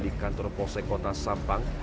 di kantor posek kota sampang